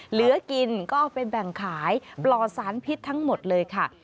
เหลือกินก็เอาไปแบ่งขายปลอดสารพิษทั้งหมดเลยค่ะ